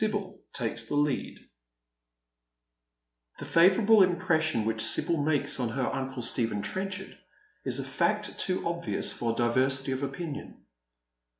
BIBTL TAKES THE LEAD, The favourable impression which Sibyl makes on her uncle Stephen Trenchard is a fact too obvious for diversity of opinion.